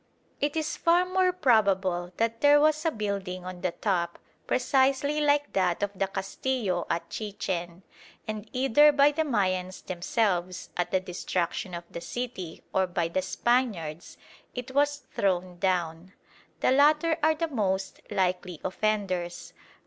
It is far more probable that there was a building on the top, precisely like that of the castillo at Chichen; and either by the Mayans themselves at the destruction of the city or by the Spaniards, it was thrown down. The latter are the most likely offenders.